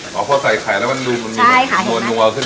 อ๋อเพราะใส่ไข่แล้วมันดูมันมัวขึ้น